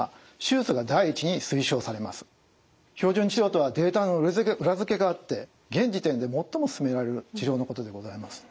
標準治療とはデータの裏づけがあって現時点で最も勧められる治療のことでございます。